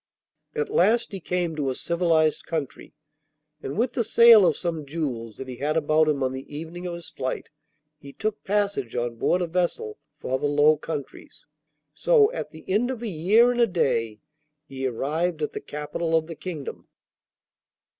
At last he came to a civilised country, and with the sale of some jewels that he had about him on the evening of his flight he took passage on board a vessel for the Low Countries. So, at the end of a year and a day, he arrived at the capital of the kingdom.